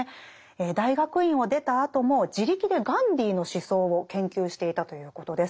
大学院を出たあとも自力でガンディーの思想を研究していたということです。